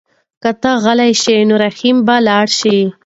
که ته غلی شې نو رحیم به لاړ شي.